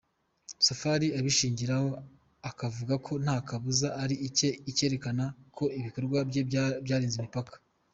Safari abishingiraho akavuga ko nta kabuza ari icyerekana ko ibikorwa bye byarenze imipaka.